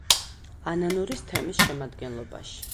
ანანურის თემის შემადგენლობაში.